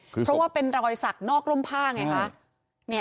เพราะว่าเป็นรอยสักนอกร่มผ้าไงคะ